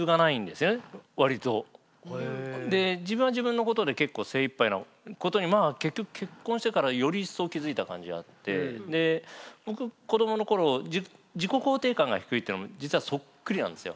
自分は自分のことで結構精いっぱいなことにまあ結局結婚してからより一層気付いた感じがあってで僕子どもの頃自己肯定感が低いってのも実はそっくりなんですよ。